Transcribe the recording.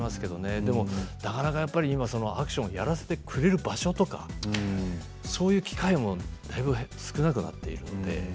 なかなかやっぱりアクションをやらせてくれる場所とかそういう機会もだいぶ少なくなっていますね。